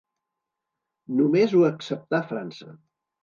Només ho acceptà França.